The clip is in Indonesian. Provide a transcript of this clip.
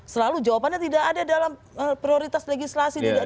selalu jawabannya tidak ada dalam prioritas legislasi